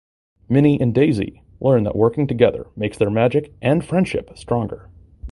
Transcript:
Minnie and Daisy learn that working together makes their magic and their friendship stronger.